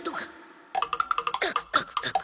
カクカクカク！